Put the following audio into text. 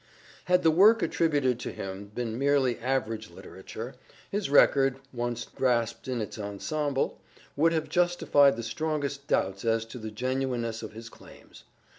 Had the work attributed to him been merely average literature, his record, once grasped in its ensemble, would have justified the strongest doubts as to the genuineness of his claims.